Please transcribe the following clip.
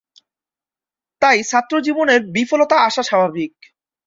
তাই ছাত্রজীবনের বিফলতা আসা স্বাভাবিক।